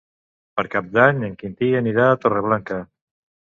Per Cap d'Any en Quintí anirà a Torreblanca.